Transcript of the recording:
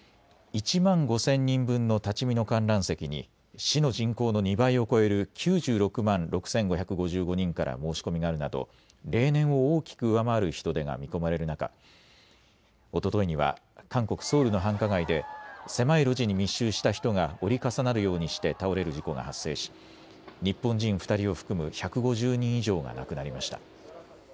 １万５０００人分の立ち見の観覧席に市の人口の２倍を超える９６万６５５５人から申し込みがあるなど例年を大きく上回る人出が見込まれる中、おとといには韓国・ソウルの繁華街で狭い路地に密集した人が折り重なるようにして倒れる事故が発生し、日本人２人を含む１５０人以上が亡くなりました。